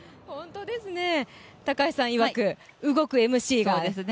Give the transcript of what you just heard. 高橋さんいわく「動くＭＣ」が。